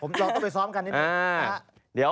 ผมต้องค่อยออกไปซ้อมกันสิ